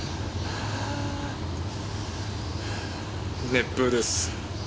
熱風です。